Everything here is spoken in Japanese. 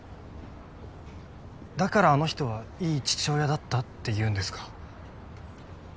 だからあの人はいい父親だったっていうんですか？